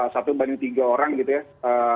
satu banding tiga orang gitu ya